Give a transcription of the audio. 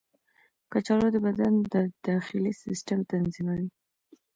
کچالو د بدن د داخلي سیسټم تنظیموي.